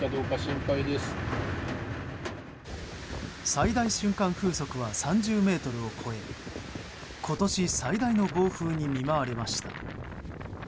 最大瞬間風速は３０メートルを超え今年最大の暴風に見舞われました。